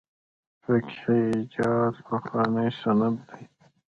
فقهي اجتهاد پخوانی سنت دی.